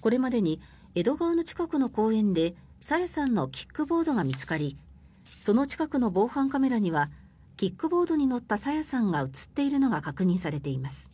これまでに江戸川の近くの公園で朝芽さんのキックボードが見つかりその近くの防犯カメラにはキックボードに乗った朝芽さんが映っているのが確認されています。